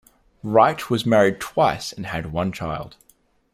Wright was married twice and had one child.